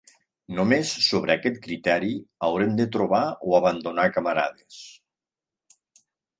Només sobre aquest criteri haurem de trobar o abandonar camarades.